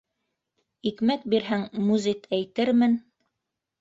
Икмәк бирһәң, музит әйтермен...